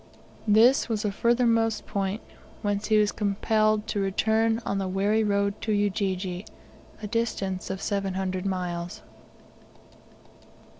This was the furthermost point, whence he was compelled to return on the weary road to Ujiji, a distance of 700 miles.